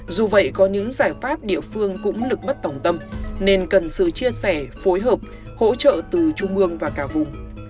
dù vậy có những giải pháp địa phương cũng lực bất tổng tâm nên cần sự chia sẻ phối hợp hỗ trợ từ trung mương và cả vùng